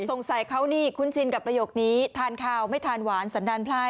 สงสัยเขานี่คุ้นชินกับประโยคนี้ทานข้าวไม่ทานหวานสันดาลพลาย